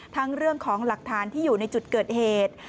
ทั้งเรื่องของหลักฐานที่อยู่ในจุดเกิดเหตุ